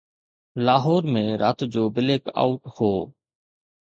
لاهور ۾ رات جو blackout هو.